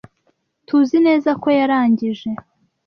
TUZI neza ko yarangije.